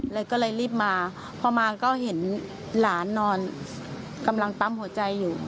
เลยก็เลยรีบมาพอมาก็เห็นหลานนอนกำลังปั๊มหัวใจอยู่